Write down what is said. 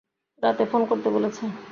রাতে ফোন করতে বলেছে।